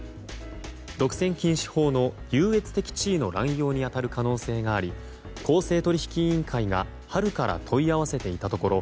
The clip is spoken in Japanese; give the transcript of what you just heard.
独占禁止法の優越的地位の乱用に当たる可能性があり公正取引委員会が春から問い合わせていたところ